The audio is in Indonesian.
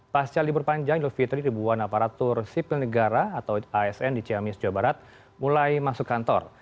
pasca libur panjang idul fitri ribuan aparatur sipil negara atau asn di ciamis jawa barat mulai masuk kantor